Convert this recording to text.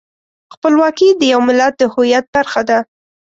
خپلواکي د یو ملت د هویت برخه ده.